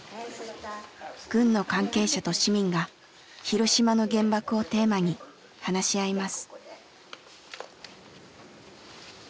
軍の関係者と市民が広島の原爆をテーマに話し合います。